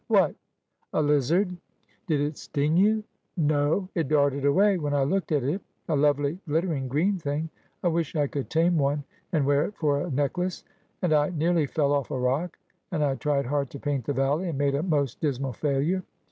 ' What ?'' A lizard.' ' Did it sting you ?'' No ; it darted away when I looked at it. A lovely glitter ing green thing. I wish I could tame one and wear it for a neck lace. And I nearly fell off a rock ; and I tried hard to paint the valley, and made a most dismal failure.